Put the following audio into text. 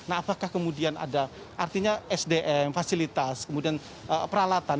nah apakah kemudian ada artinya sdm fasilitas kemudian peralatan